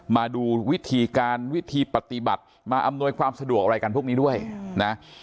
มาดูวิธีการวิธีปฏิบัติมาอำนวยความสะดวกอะไรกันพวกนี้ด้วยนะ